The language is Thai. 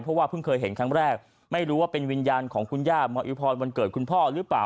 เพราะว่าเพิ่งเคยเห็นครั้งแรกไม่รู้ว่าเป็นวิญญาณของคุณย่ามาอิพรวันเกิดคุณพ่อหรือเปล่า